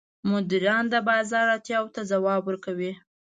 مدیران د بازار اړتیاوو ته ځواب ورکوي.